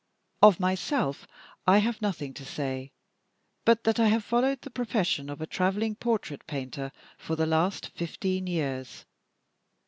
Of myself I have nothing to say, but that I have followed the profession of a traveling portrait painter for the last fifteen years.